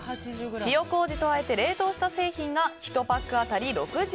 塩麹とあえて冷凍した製品が１パック当たり６０ｇ。